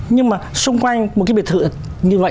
nhưng mà xung quanh một cái biệt thự như vậy